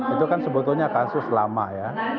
itu kan sebetulnya kasus lama ya